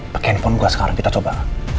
pake handphone gua sekarang kita coba